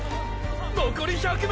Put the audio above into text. のこり１００ｍ！！